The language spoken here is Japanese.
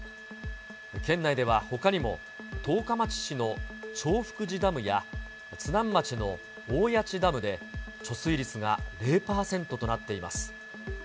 県内ではほかにも十日町市の長福寺ダムや、津南町の大谷内ダムで貯水率が０％となっています。